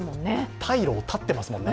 退路を断っていますもんね。